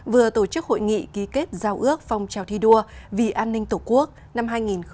vừa tổ chức hội nghị ký kết giao ước phong trào thi đua vì an ninh tổ quốc năm hai nghìn hai mươi bốn